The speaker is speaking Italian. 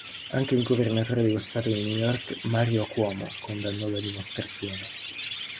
Anche il governatore dello Stato di New York Mario Cuomo condannò la dimostrazione.